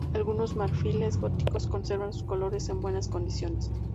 Algunos marfiles góticos conservan sus colores en buenas condiciones.